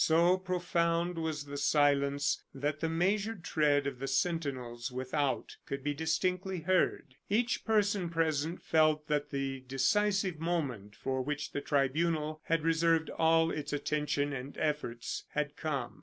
So profound was the silence that the measured tread of the sentinels without could be distinctly heard. Each person present felt that the decisive moment for which the tribunal had reserved all its attention and efforts had come.